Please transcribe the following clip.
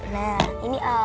nah ini om